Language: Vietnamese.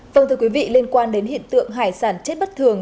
vâng thưa quý vị liên quan đến hiện tượng hải sản chết bất thường